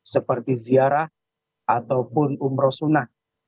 seperti ziarah ataupun umroh sunnah